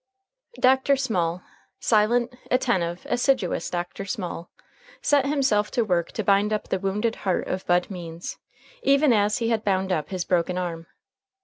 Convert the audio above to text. Dr. Small, silent, attentive, assiduous Dr. Small, set himself to work to bind up the wounded heart of Bud Means, even as he had bound up his broken arm.